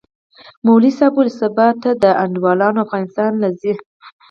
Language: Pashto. مولوي صاحب وويل سبا د تا انډيوالان افغانستان له زي.